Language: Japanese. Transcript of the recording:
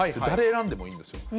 誰選んでもいいんですよ。